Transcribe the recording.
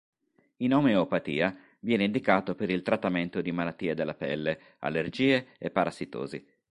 In omeopatia viene indicato per il trattamento di malattie della pelle, allergie e parassitosi.